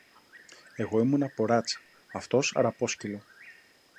Εγώ ήμουν από ράτσα, αυτός αραπόσκυλο